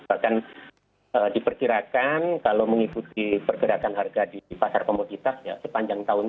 bahkan diperkirakan kalau mengikuti pergerakan harga di pasar komoditas ya sepanjang tahun